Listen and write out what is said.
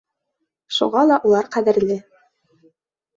Шуға ла улар ҡәҙерле.